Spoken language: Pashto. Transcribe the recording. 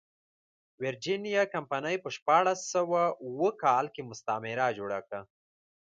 ویرجینیا کمپنۍ په شپاړس سوه اووه کال کې مستعمره جوړه کړه.